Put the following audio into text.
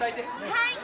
はい。